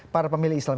para pemilih islam